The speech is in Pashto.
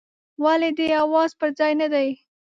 ولي دي حواس پر ځای نه دي ؟